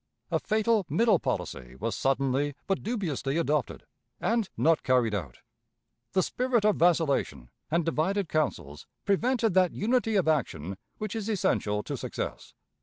A fatal middle policy was suddenly but dubiously adopted, and not carried out. The spirit of vacillation and divided counsels prevented that unity of action which is essential to success.